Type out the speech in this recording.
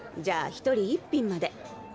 じゃあ１人１品まで。